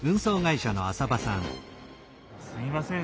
すみません。